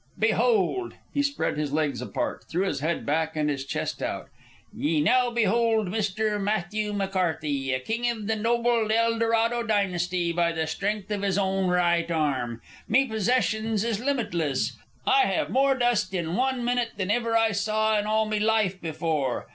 "Behold!" He spread his legs apart, threw his head back, and his chest out. "Ye now behold Mister Matthew McCarthy, a king iv the noble Eldorado Dynasty by the strength iv his own right arm. Me possessions is limitless. I have more dust in wan minute than iver I saw in all me life before.